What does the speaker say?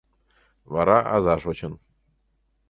Вара аза шочын.